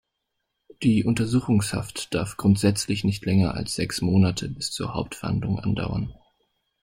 Die Untersuchungshaft darf grundsätzlich nicht länger als sechs Monate bis zur Hauptverhandlung andauern.